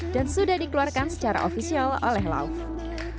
dan sudah dikeluarkan secara official oleh love